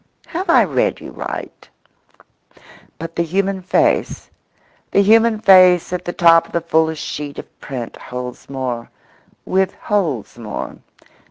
Have I read you right? But the human face—the human face at the top of the fullest sheet of print holds more, withholds more.